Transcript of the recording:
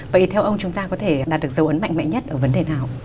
vậy theo ông chúng ta có thể đạt được dấu ấn mạnh mẽ nhất ở vấn đề nào